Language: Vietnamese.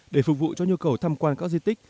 để phục vụ cho nhu cầu tham quan các di tích